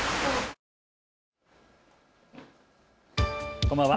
こんばんは。